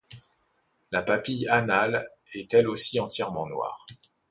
La papille anale est elle aussi entièrement noire.